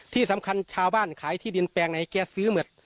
ที่สำคัญชาวบ้านขายที่ดินแปลงไหนแกซื้อหมด